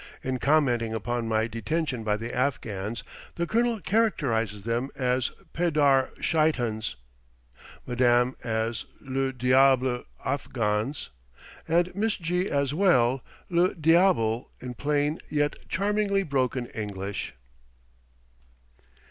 In commenting upon my detention by the Afghans, the colonel characterizes them as "pedar sheitans," Madame as "le diable Afghans," and Miss G as well, "le diable" in plain yet charmingly broken English.